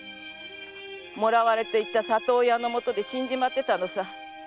もらわれていった里親のもとで死んじまってたのさ。